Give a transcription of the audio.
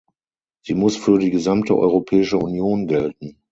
Sie muss für die gesamte Europäische Union gelten.